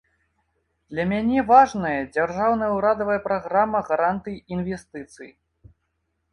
Для мяне важная дзяржаўная ўрадавая праграма гарантый інвестыцый.